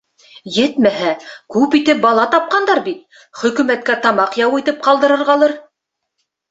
Етмәһә, күп итеп бала тапҡандар бит — хөкүмәткә тамаҡ яуы итеп ҡалдырырғалыр...